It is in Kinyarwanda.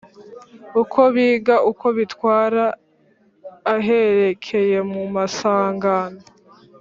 uko biga uko bitwara aherekeye mu masangano